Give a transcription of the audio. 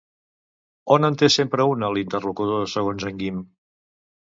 On en té sempre una l'interlocutor segons en Guim?